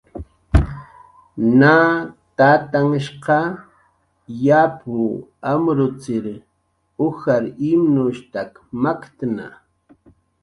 Na tatanhshq yapw amrutzir ujar imnushtak maktna.